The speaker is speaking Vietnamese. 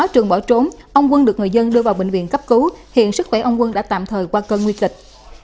trường bỏ trốn ông quân được người dân đưa vào bệnh viện cấp cứu hiện sức khỏe ông quân đã tạm thời qua cơn nguy kịch